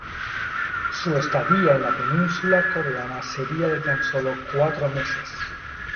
Su estadía en la península coreana sería de tan solo cuatro meses.